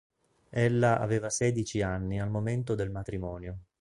Ella aveva sedici anni al momento del matrimonio.